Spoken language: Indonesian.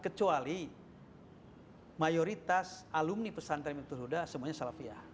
kecuali mayoritas alumni pesantren miftul huda semuanya salafiyah